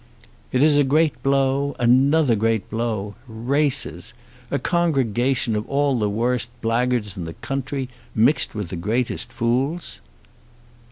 "It is a great blow, another great blow! Races! A congregation of all the worst blackguards in the country mixed with the greatest fools."